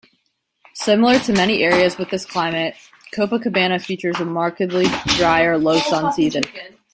Similar to many areas with this climate, Copacabana features a markedly drier "low-sun" season.